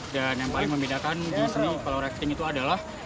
dan yang paling membedakan di sini kalau rafting itu adalah